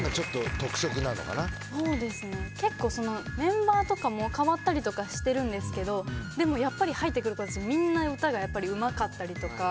結構メンバーとかもかわったりとかしてるけどでもやっぱり入ってくる子たちみんな歌がうまかったりとか。